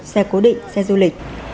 xe cố định xe du lịch